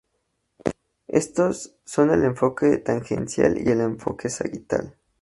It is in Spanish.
Estos son el enfoque tangencial y el enfoque sagital.